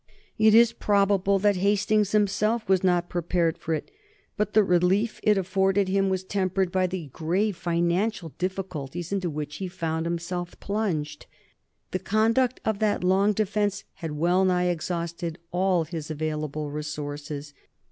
It is probable that Hastings himself was not prepared for it, but the relief it afforded him was tempered by the grave financial difficulties into which he found himself plunged. The conduct of that long defence had well nigh exhausted all his available resources.